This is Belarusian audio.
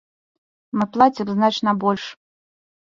Мы плацім значна больш.